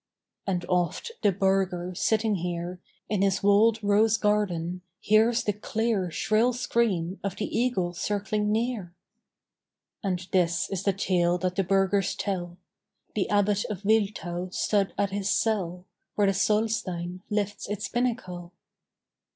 And oft the burgher, sitting here In his walled rose garden, hears the clear Shrill scream of the eagle circling near. And this is the tale that the burghers tell: The Abbot of Wiltau stood at his cell Where the Solstein lifts its pinnacle.